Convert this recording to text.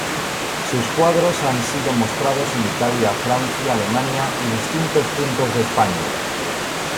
Sus cuadros han sido mostrados en Italia, Francia, Alemania y distintos puntos de España.